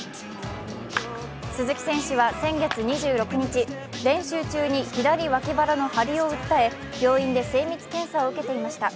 鈴木選手は先月２６日、練習中に左脇腹の張りを訴え病院で精密検査を受けていました。